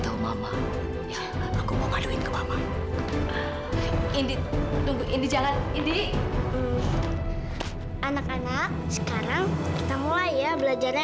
tahu mama aku mau ngaduin ke mama ini ini jangan ini anak anak sekarang kita mulai ya belajarnya